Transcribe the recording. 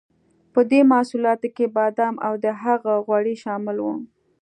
په دې محصولاتو کې بادام او د هغه غوړي شامل وو.